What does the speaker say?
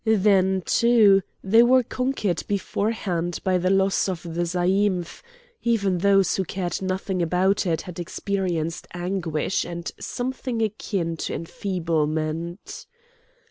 Then, too, they were conquered beforehand by the loss of the zaïmph; even those who cared nothing about it had experienced anguish and something akin to enfeeblement.